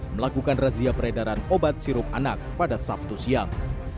melakukan razia peredaran obat sirup anak pada sabtu siang